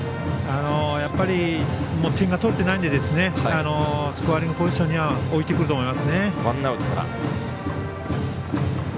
やっぱりもう点が取れていないのでスコアリングポジションには置いてくると思います。